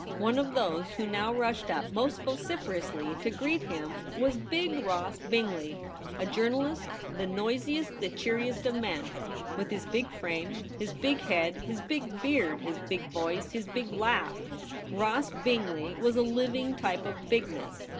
One of those who now rushed up most vociferously to greet him was big Ross MADAME SPIN OLA AT HOME. 109 Bingley, a journalist, the noisiest, the cheeriest of men. With his big frame, his big head, his big beard, his big voice, his big laugh, Ross Bingley was a living type of bigness.